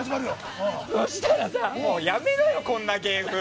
そしたら、もうやめろよこんな芸風。